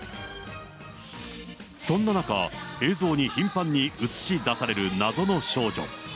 そんな中、映像に頻繁に映し出される謎の少女。